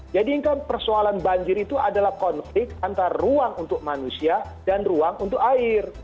jadi persoalan banjir itu adalah konflik antara ruang untuk manusia dan ruang untuk air